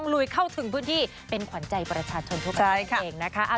ลุยเข้าถึงพื้นที่เป็นขวัญใจประชาชนทุกคนเองนะคะ